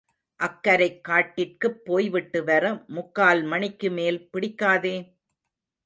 அக்கரைக் காட்டிற்குப் போய்விட்டுவர முக்கால் மணிக்கு மேல் பிடிக்காதே?